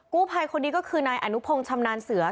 ภัยคนนี้ก็คือนายอนุพงศ์ชำนาญเสือ